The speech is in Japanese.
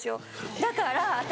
だから私。